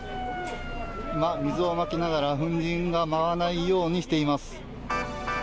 今、水をまきながら粉じんが舞わないようにしています。